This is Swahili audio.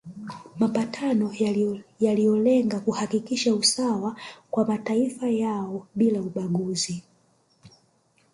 Mapatano yaliyolenga kuhakikisha usawa kwa mataifa yao bila ubaguzi